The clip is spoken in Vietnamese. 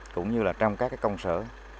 cũng như là trong các công sở